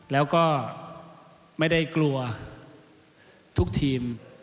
แล้วก็ไม่ได้กลัวทุกทีม